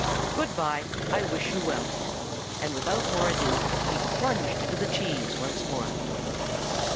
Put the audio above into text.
Good by. I wish you well." And without more ado, he plunged into the cheese once more.